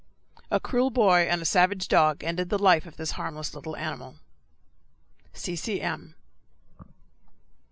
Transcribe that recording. A cruel boy and a savage dog ended the life of this harmless little animal. C. C. M.